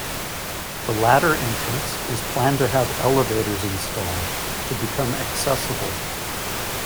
The latter entrance is planned to have elevators installed to become accessible.